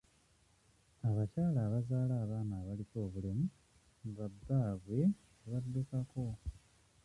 Abakyala abazaala abaana abaliko obulemu ba bbaabwe babaddukako.